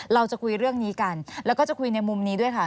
เราจะคุยเรื่องนี้กันแล้วก็จะคุยในมุมนี้ด้วยค่ะ